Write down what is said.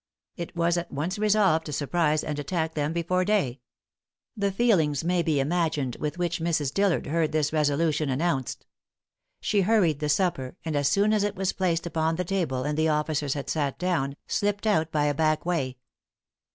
It was at once resolved to surprise and attack them before day. The feelings may be imagined with which Mrs. Dillard heard this resolution announced. She hurried the supper, and as soon as it was placed upon the table, and the officers had sat down, slipped out by a back way.